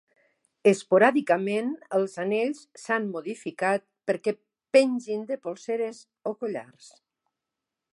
Esporàdicament, els anells s"han modificat perquè pengin de polseres o collars.